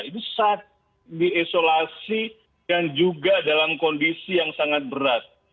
itu saat diisolasi dan juga dalam kondisi yang sangat berat